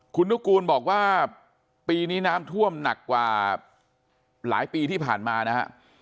คุณนุกูลบอกว่าปีนี้น้ำท่วมหนักกว่าหลายปีที่ผ่านมานะฮะ